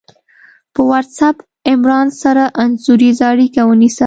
په وټس آپ عمران سره انځوریزه اړیکه ونیسه